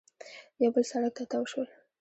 یو بل سړک ته تاو شول